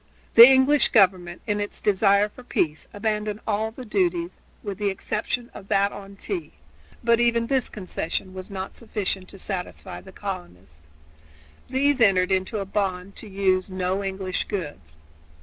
The English government, in its desire for peace, abandoned all the duties with the exception of that on tea; but even this concession was not sufficient to satisfy the colonists. These entered into a bond to use no English goods.